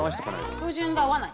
照準が合わない。